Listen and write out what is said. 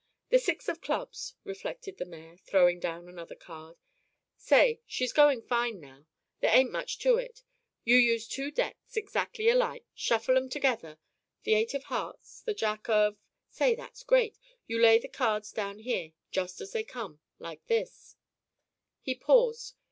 "The six of clubs," reflected the mayor, throwing down another card. "Say, she's going fine now. There ain't much to it. You use two decks, exactly alike shuffle 'em together the eight of hearts the jack of say, that's great you lay the cards down here, just as they come like this " He paused.